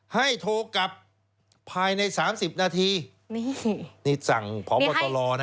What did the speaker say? ให้โทกลับภายใน๓๐นาทีนี่สั่งพร้อมกับตลอดนะ